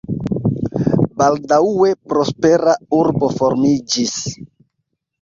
Baldaŭe prospera urbo formiĝis.